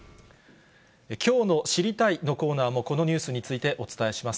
きょうの知りたいッ！のコーナーも、このニュースについてお伝えします。